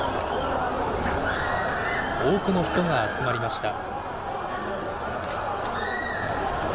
多くの人が集まりました。